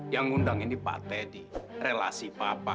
yang undang ini pak teddy relasi papa